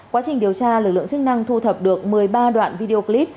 quá trình điều tra lực lượng chức năng thu thập được một mươi ba đoạn video clip